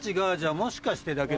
もしかしてだけど